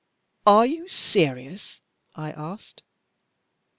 'Are you serious?' I asked.